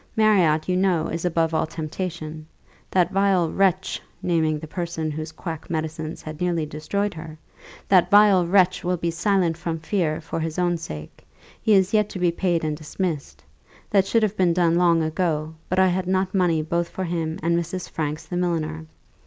Marriott, you know, is above all temptation. That vile wretch (naming the person whose quack medicines had nearly destroyed her), that vile wretch will be silent from fear, for his own sake. He is yet to be paid and dismissed. That should have been done long ago, but I had not money both for him and Mrs. Franks the milliner.